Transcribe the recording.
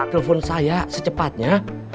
telfon saya secepatnya